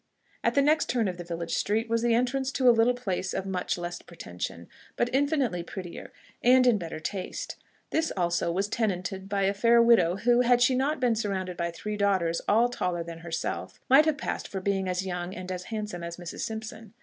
At the next turn of the village street was the entrance to a little place of much less pretension, but infinitely prettier, and in better taste: this also was tenanted by a fair widow, who, had she not been surrounded by three daughters, all taller than herself, might have passed for being as young and as handsome as Mrs. Simpson.